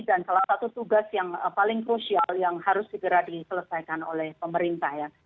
dan salah satu tugas yang paling krusial yang harus segera diselesaikan oleh pemerintah